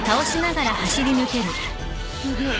すげえ。